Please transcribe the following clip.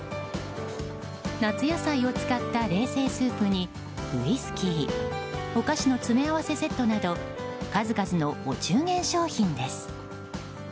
夏野菜を使った冷製スープにウイスキーお菓子の詰め合わせセットなど数々のお中元商品です。